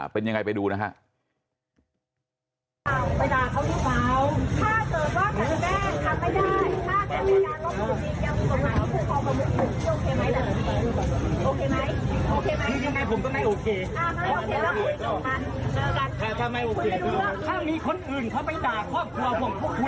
๑๑๒เป็นยังไงไปดูนะครับ